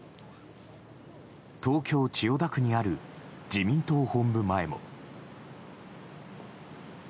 東京・千代田区にある自民党本部前も。